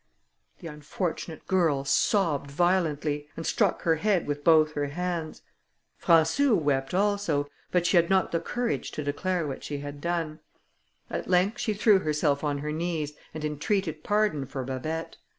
The unfortunate girl sobbed violently; and struck her head with both her hands. Françou wept also, but she had not the courage to declare what she had done. At length she threw herself on her knees, and entreated pardon for Babet.